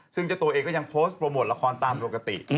ซึ่งเจ้าตัวเองก็ยังโพสต์โปรโมทละครตามปกติ